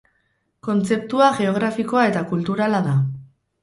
Kontzeptua geografikoa eta kulturala da.